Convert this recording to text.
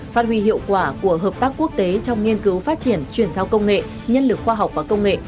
phát huy hiệu quả của hợp tác quốc tế trong nghiên cứu phát triển chuyển giao công nghệ nhân lực khoa học và công nghệ